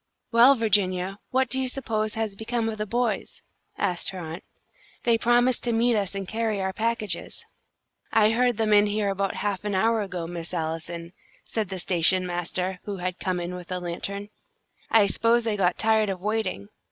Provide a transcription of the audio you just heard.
"Well, Virginia, what do you suppose has become of the boys?" asked her aunt. "They promised to meet us and carry our packages." "I heard them in here about half an hour ago, Miss Allison," said the station master, who had come in with a lantern. "I s'pose they got tired of waiting.